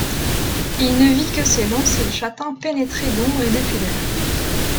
Il ne vit que ses longs cils châtains pénétrés d’ombre et de pudeur.